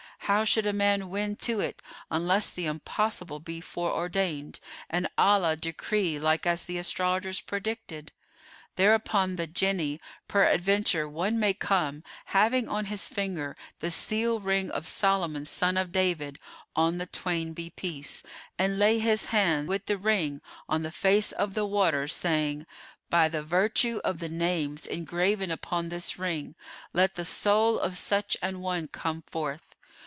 How should a man win to it, unless the impossible be fore ordained and Allah decree like as the astrologers predicted?' Thereupon the Jinni, 'Peradventure one may come, having on his finger the seal ring of Solomon son of David (on the twain be peace!) and lay his hand with the ring on the face of the water, saying, 'By the virtue of the names engraven upon this ring, let the soul of such an one come forth!